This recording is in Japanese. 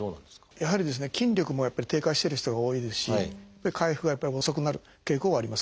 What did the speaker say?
やはり筋力もやっぱり低下してる人が多いですし回復がやっぱり遅くなる傾向はあります。